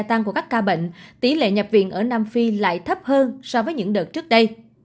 tăng của các ca bệnh tỷ lệ nhập viện ở nam phi lại thấp hơn so với những đợt trước đây